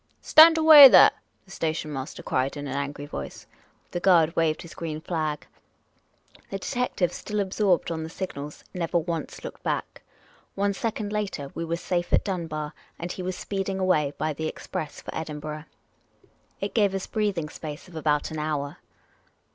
"Stand away, there," the station master cried, in an angry voice. The guard waved his green flag. The detective, still absorbed on the signals, never once looked back. One second later, we were safe at Dunbar, and he was speeding away by the express for Edinburgh. It gave us a breathing space of about an hour.